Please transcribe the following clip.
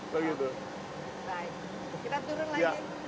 baik kita turun lagi